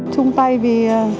chúng tôi vì